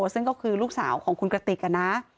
ซึ่งก็คือลูกสาวของคุณกระติกนะ